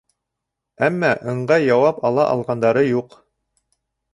Әммә ыңғай яуап ала алғандары юҡ.